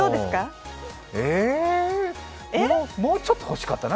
えーもうちょっと欲しかったな。